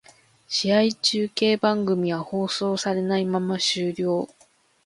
試合中継番組は放送されないまま終了